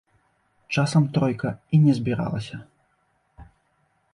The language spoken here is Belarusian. Часам тройка і не збіралася.